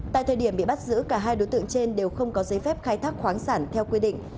tại thời điểm bị bắt giữ cả hai đối tượng trên đều không có giấy phép khai thác khoáng sản theo quy định